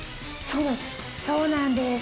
そうなんです